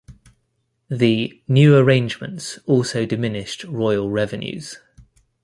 The "new arrangements" also diminished royal revenues.